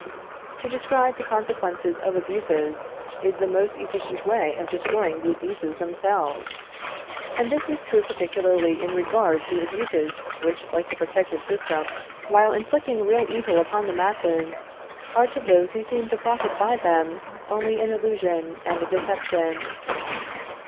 To describe the consequences of abuses, is the most efficient way of destroying the abuses themselves. And this is true particularly in regard to abuses which, like the protective system, while inflicting real evil upon the masses, are to those who seem to profit by them only an illusion and a deception.